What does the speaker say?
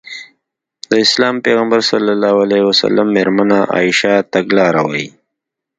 د اسلام پيغمبر ص مېرمنه عايشه تګلاره وايي.